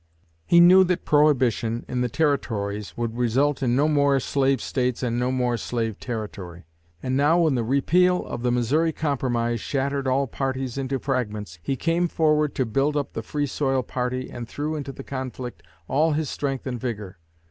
He knew that prohibition in the territories would result in no more slave states and no slave territory. And now, when the repeal of the Missouri Compromise shattered all parties into fragments, he came forward to build up the Free Soil party and threw into the conflict all his strength and vigor.